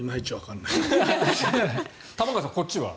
玉川さん、こっちは？